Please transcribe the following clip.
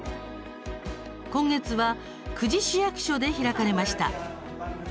今月は久慈市役所で開かれました。